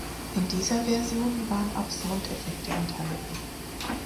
In dieser Version waren auch Soundeffekte enthalten.